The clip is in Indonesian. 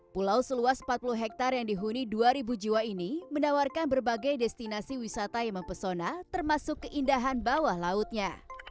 pulau seluas empat puluh hektare yang dihuni dua ribu jiwa ini menawarkan berbagai destinasi wisata yang mempesona termasuk keindahan bawah lautnya